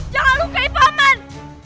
jangan lukai paman